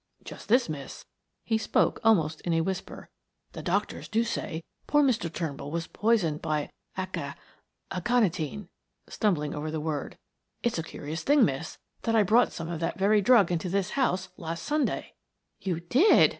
"Just this, miss," he spoke almost in a whisper. "The doctors do say poor Mr. Turnbull was poisoned by acca aconitine," stumbling over the word. "It's a curious thing, miss, that I brought some of that very drug into this house last Sunday." "You did!"